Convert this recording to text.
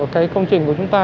cái công trình của chúng ta